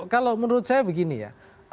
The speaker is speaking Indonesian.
kalau menurut saya begini ya